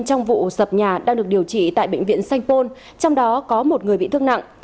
trong vụ sập nhà đang được điều trị tại bệnh viện sanh pôn trong đó có một người bị thương nặng